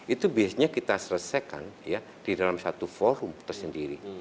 itu biasanya kita selesaikan ya di dalam satu forum tersendiri